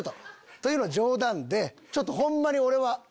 というのは冗談でちょっとホンマに俺は。